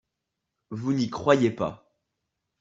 Vous n’y croyez pas